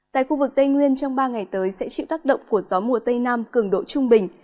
tại khu vực tây nguyên trong ba ngày tới sẽ chịu tác động của gió mùa tây nam cường độ trung bình